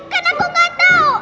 kan aku gak tau